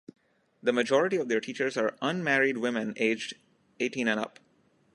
The majority of their teachers are unmarried women aged eighteen and up.